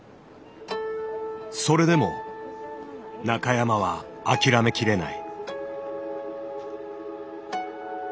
それでも中山は諦めきれない。